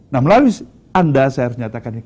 nah melalui anda saya harus nyatakan ini